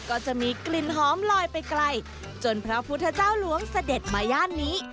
ก็จะมีกลิ่นหอมลอยไปไกลจนพระพุทธเจ้าหลวงเสด็จมาย่านนี้